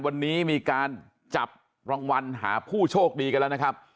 วันนี้มีการจับรางวัลหาผู้โชคดีกันแล้วนะครับ